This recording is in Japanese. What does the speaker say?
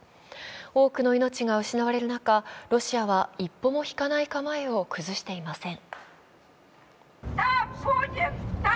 多くの命が失われる中、ロシアは一歩も引かない構えを崩していません。